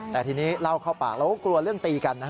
แต่ทีนี้เล่าเข้าปากเราก็กลัวเรื่องตีกัน